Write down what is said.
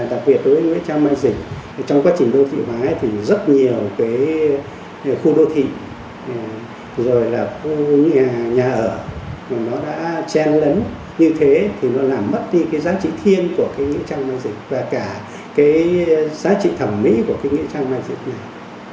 đặc biệt đối với trang mai dịch trong quá trình đô thị hóa thì rất nhiều cái khu đô thị rồi là khu nhà ở nó đã chen lấn như thế thì nó làm mất đi cái giá trị thiên của cái nghĩa trang giao dịch và cả cái giá trị thẩm mỹ của cái nghĩa trang mai dịch này